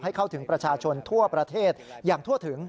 เข้าถึงประชาชนทั่วประเทศอย่างทั่วถึง